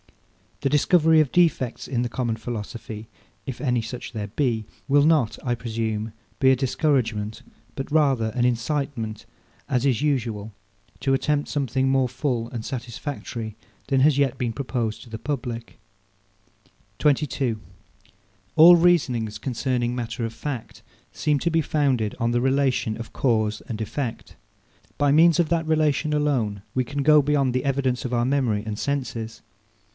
The discovery of defects in the common philosophy, if any such there be, will not, I presume, be a discouragement, but rather an incitement, as is usual, to attempt something more full and satisfactory than has yet been proposed to the public. 22. All reasonings concerning matter of fact seem to be founded on the relation of Cause and Effect. By means of that relation alone we can go beyond the evidence of our memory and senses.